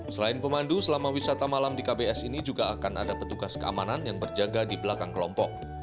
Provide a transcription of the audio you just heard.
selain pemandu selama wisata malam di kbs ini juga akan ada petugas keamanan yang berjaga di belakang kelompok